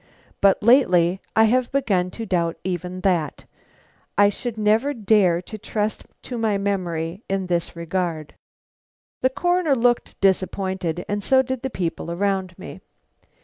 But lately I have begun to doubt even that. I should never dare trust to my memory in this regard." The Coroner looked disappointed, and so did the people around me.